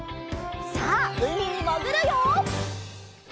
さあうみにもぐるよ！